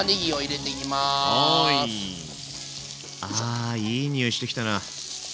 あいい匂いしてきたな。